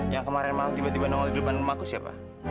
yang kemarin malam tiba tiba nongol di depan rumahku siapa